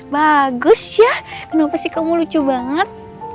bagus ya kenapa sih kamu lucu banget